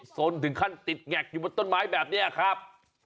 สนถึงขั้นติดแงกอยู่บนต้นไม้แบบนี้ครับ